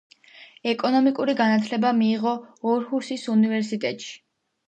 ეკონომიკური განათლება მიიღო ორჰუსის უნივერსიტეტში.